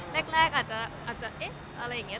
แรกอาจจะเอ๊ะอะไรอย่างนี้